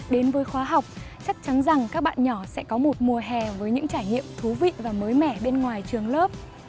đến với khóa học chắc chắn rằng các bạn nhỏ sẽ có một mùa hè với những trải nghiệm thú vị và mới mẻ bên ngoài trường lớp